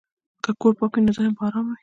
که کور پاک وي، نو ذهن به ارام وي.